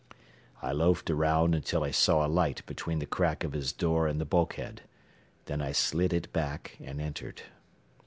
I loafed around until I saw a light between the crack of his door and the bulkhead. Then I slid it back, and entered.